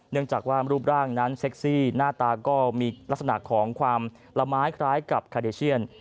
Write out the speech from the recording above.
เนื่องจากว่ารูปร่างนั้นเซ็กซี่หน้าตาก็มีลักษณะของความละไม้คล้ายกับคาเดเชียน